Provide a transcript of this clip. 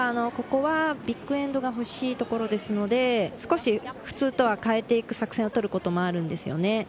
ここはビッグエンドがほしいところなので少し普通とは変えていく作戦をとることもあるんです。